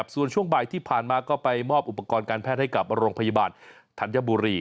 ส่วนช่วงบ่ายที่ผ่านมาก็ไปมอบอุปกรณ์การแพทย์ให้กับโรงพยาบาลธัญบุรี